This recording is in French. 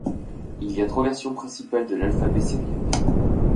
Il y a trois versions principales de l'alphabet syriaque.